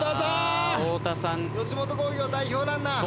吉本興業代表ランナー！